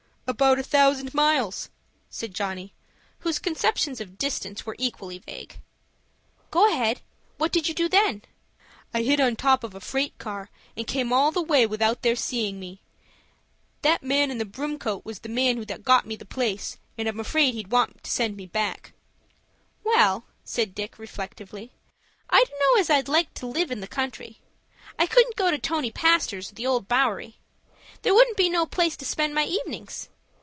"About a thousand miles," said Johnny, whose conceptions of distance were equally vague. "Go ahead. What did you do then?" "I hid on top of a freight car, and came all the way without their seeing me.* That man in the brown coat was the man that got me the place, and I'm afraid he'd want to send me back." * A fact. "Well," said Dick, reflectively, "I dunno as I'd like to live in the country. I couldn't go to Tony Pastor's or the Old Bowery. There wouldn't be no place to spend my evenings.